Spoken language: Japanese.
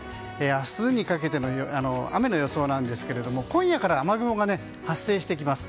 明日にかけての雨の予想ですが今夜から雨雲が発生してきます。